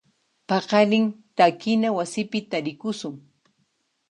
Paqarin takina wasipi tarikusun.